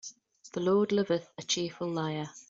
The Lord loveth a cheerful liar.